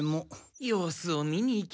様子を見に行きますか。